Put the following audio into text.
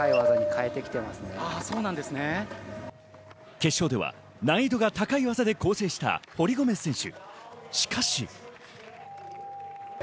決勝では難易度が高い技で構成した堀米選手。